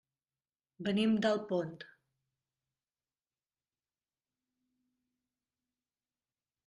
Venim d'Alpont.